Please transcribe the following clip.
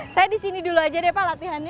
saya di sini dulu aja deh pak latihannya